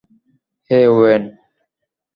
হেই, Wayne?